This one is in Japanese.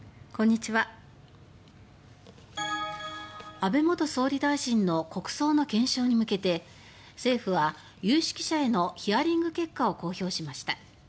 安倍元総理大臣の国葬の検証に向けて政府は、有識者へのヒアリング結果を公表しました。